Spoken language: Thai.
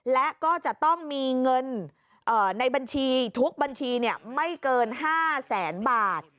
และก็จะต้องมีเงินในบัญชีทุกบัญชีไม่เกิน๕แสนบาท